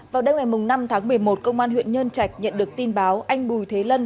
vào đêm ngày năm tháng một mươi một công an huyện nhân chạch nhận được tin báo anh bùi thế lân